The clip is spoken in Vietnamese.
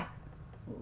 chạy cái sai